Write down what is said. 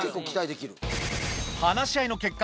話し合いの結果